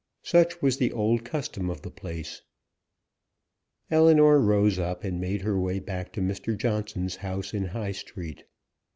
Such was the old custom of the place. Ellinor rose up, and made her way back to Mr. Johnson's house in High Street.